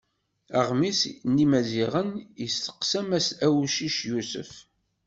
Aɣmis n Yimaziɣen yesteqsa mass Awcic Yusef.